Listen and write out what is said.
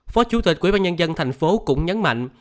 phó chủ tịch quỹ ba nhân dân thành phố cũng nhấn mạnh